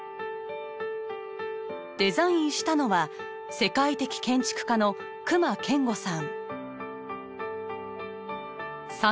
デザインしたのは世界的建築家の隈研吾さん。